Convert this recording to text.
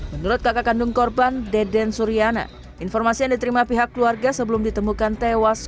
menurut kakak kandung korban deden suriana informasi yang diterima pihak keluarga sebelum ditemukan tewas